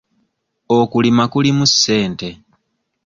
Okulima kulimu ssente.